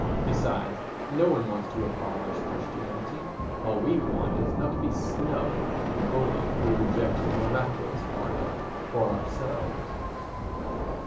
Besides no one wants to abolish Christianity—all we want is not to be snubbed and bullied if we reject the miraculous part of it for ourselves.